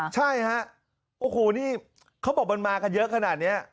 ใช่ฮะโอ้โหนี่เขาบอกมันมากันเยอะขนาดนี้